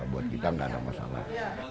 buat kita nggak ada masalah